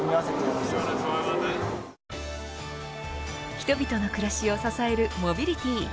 人々の暮らしを支えるモビリティ。